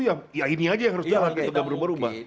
ya ini aja yang harus jalan ketika berubah ubah